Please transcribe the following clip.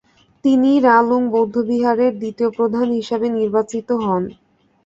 তিনি রালুং বৌদ্ধবিহারের দ্বিতীয় প্রধান হিসাবে নির্বাচিত হন।